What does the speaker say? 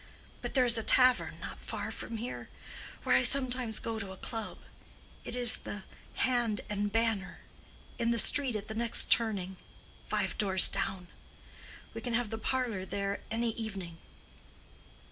"But there is a tavern not far from here where I sometimes go to a club. It is the Hand and Banner, in the street at the next turning, five doors down. We can have the parlor there any evening."